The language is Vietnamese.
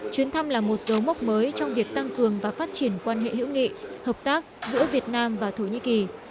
chuyến thăm là một dấu mốc mới trong việc tăng cường và phát triển quan hệ hữu nghị hợp tác giữa việt nam và thổ nhĩ kỳ